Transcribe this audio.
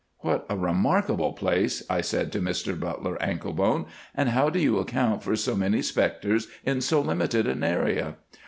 "What a remarkable place," I said to Mr Butler Anklebone, "and how do you account for so many spectres in so limited an area?"